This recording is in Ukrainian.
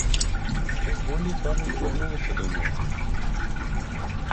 Поволі пам'ять вернулася до нього.